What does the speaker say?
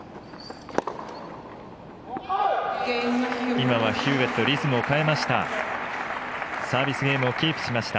今はヒューウェットリズムを変えました。